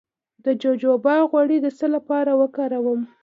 د جوجوبا غوړي د څه لپاره وکاروم؟